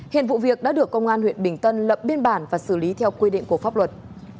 hiện vụ việc đã được công an huyện bình tân lập biên bản và xử lý theo quy định của pháp luật